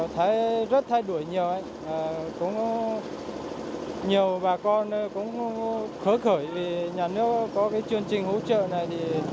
thấy rất thay đổi nhiều cũng nhiều bà con cũng khởi vì nhà nước có cái chương trình hỗ trợ này